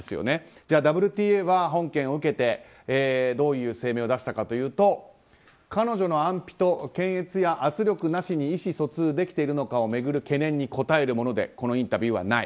では、ＷＴＡは本件を受けてどういう声明を出したかというと彼女の安否と、検閲や圧力なしに意思疎通できているのかを巡る懸念に応えるものではこのインタビューはない。